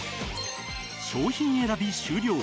商品選び終了